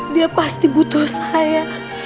dia pasti butuh saya